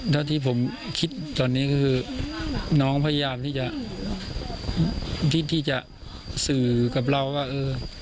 ถ้าที่ผมคิดตอนนี้คือน้องพยายามที่จะสื่อกับเราว่าเออ